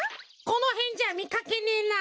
このへんじゃみかけねえな。